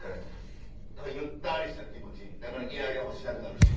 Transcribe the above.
何かゆったりした気持ちにだからイライラもしなくなるし。